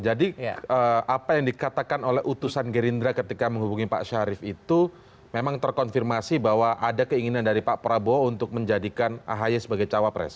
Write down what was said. jadi apa yang dikatakan oleh utusan gerindra ketika menghubungi pak syarif itu memang terkonfirmasi bahwa ada keinginan dari pak prabowo untuk menjadikan ahi sebagai cawapres